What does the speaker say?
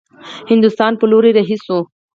هندوستان پر لور رهي شي.